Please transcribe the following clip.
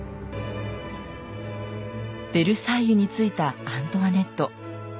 ヴェルサイユに着いたアントワネット。